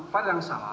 file yang sama